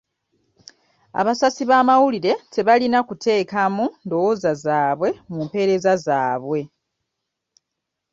Abasasi b'amawulire tebalina kuteekamu ndowooza zaabwe mu mpeereza zaabwe.